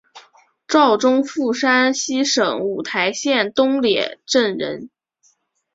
赵宗复山西省五台县东冶镇人。